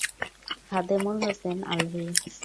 Khademul Hossain Alvi.